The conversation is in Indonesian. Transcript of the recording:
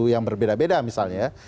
yang berbeda beda misalnya